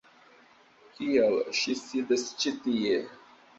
Kial ŝi sidas ĉi tie?